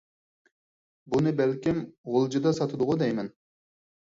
بۇنى بەلكىم غۇلجىدا ساتىدىغۇ دەيمەن.